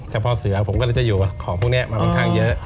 เฉพาะเสือผมก็จะอยู่ของพวกนี้มาเป็นทางเยอะ